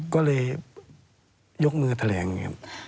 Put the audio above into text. ก็เลยยกมือแถลงอย่างนี้